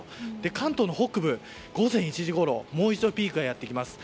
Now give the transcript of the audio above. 関東の北部、午前１時ごろもう一度ピークがやってきます。